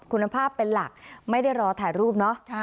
คุณภาพเป็นหลักไม่ได้รอถ่ายรูปเนาะ